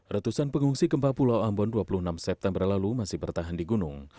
ratusan pengungsi gempa pulau ambon dua puluh enam september lalu masih bertahan di gunung